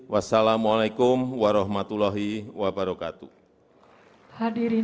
wassalamu alaikum warahmatullahi wabarakatuh